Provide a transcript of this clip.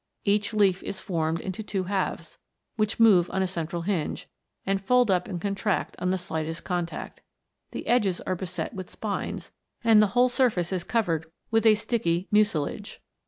Each leaf is formed into two halves, which move on a central hinge, and fold up and contract on the slightest contact. The edges are beset with spines, and the whole surface is covered with a sticky mucilage.